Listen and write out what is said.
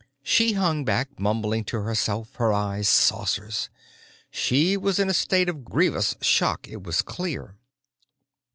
She hung back, mumbling to herself, her eyes saucers. She was in a state of grievous shock, it was clear.